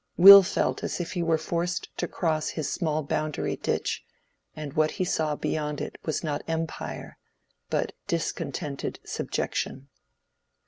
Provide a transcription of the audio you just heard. Will felt as if he were forced to cross his small boundary ditch, and what he saw beyond it was not empire, but discontented subjection.